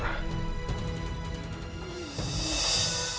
tidak akan bisa ma